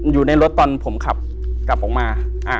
อยู่ในรถตอนผมขับกลับออกมา